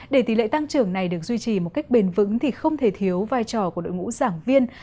để tỷ lệ tăng trưởng này được duy trì một cách bền vững thì không thể thiếu vai trò của đội ngũ giảng viên